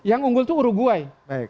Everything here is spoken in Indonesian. yang unggul itu uruguay